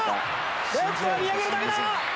レフトは見上げるだけだ！